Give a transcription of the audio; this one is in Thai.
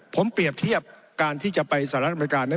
ผมเปรียบเทียบการที่จะไปสหรัฐอเมริกานั้น